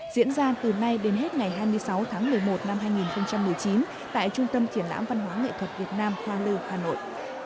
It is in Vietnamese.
diễn ra từ nay đến hết ngày hai mươi sáu tháng một mươi một năm hai nghìn một mươi chín tại trung tâm triển lãm văn hóa nghệ thuật việt nam hoa lưu hà nội